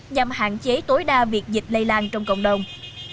nhằm hạn chế tối đa việc dịch lây lan trong cộng đồng